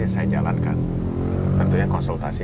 saya jalankan tentunya konsultasi